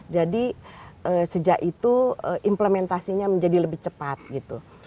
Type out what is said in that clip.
jadi sejak itu implementasinya menjadi lebih cepat gitu